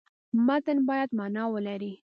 متن باید معنا ولري.